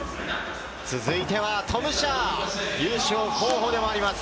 続いてはトム・シャー、優勝候補でもあります。